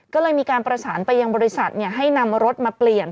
ก็เลยมีการประสานไปยังบริษัทให้นำรถมาเปลี่ยน